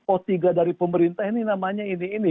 oh tiga dari pemerintah ini namanya ini ini